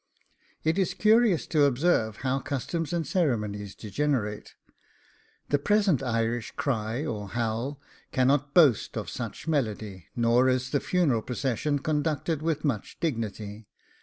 It is curious to observe how customs and ceremonies degenerate. The present Irish cry, or howl, cannot boast of such melody, nor is the funeral procession conducted with much dignity.